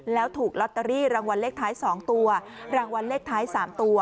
แล้วถูกลอตเตอรี่รางวัลเลขท้าย๒ตัวรางวัลเลขท้าย๓ตัว